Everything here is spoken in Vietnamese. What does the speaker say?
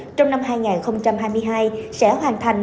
trong năm hai nghìn hai mươi hai sẽ hoàn thành